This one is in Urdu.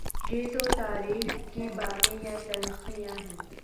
یہ تو تاریخ کی باتیں یا تلخیاں ہیں۔